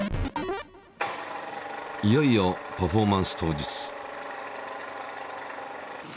いよいよパフォーマンス当日。